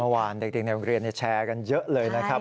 เด็กในโรงเรียนแชร์กันเยอะเลยนะครับ